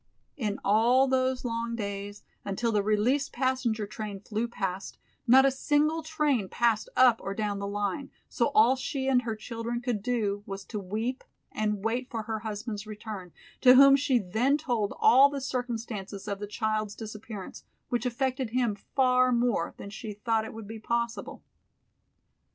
In all those long days, until the released passenger train flew past, not a single train passed up or down the line, so all she and her children could do was to weep and wait for her husband's return, to whom she then told all the circumstances of the child's disappearance, which affected him far more than she thought it would be possible.